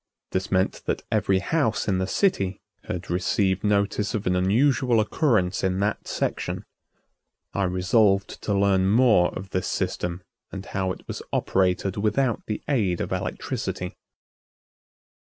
This meant that every house in the city had received notice of an unusual occurrence in that section. I resolved to learn more of this system and how it was operated without the aid of electricity.